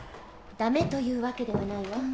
駄目という訳ではないわ。